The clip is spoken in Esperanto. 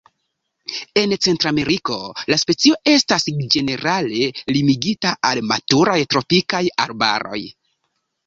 En Centrameriko, la specio estas ĝenerale limigita al maturaj tropikaj arbaroj.